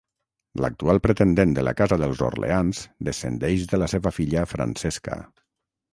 L'actual pretendent de la Casa dels Orleans descendeix de la seva filla Francesca.